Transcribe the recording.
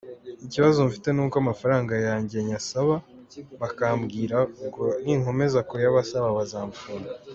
Ikibazo mfite n’uko amafaranga yanjye nyabasaba bakambwira ngo ninkomeza kuyabasaba bazamfunga.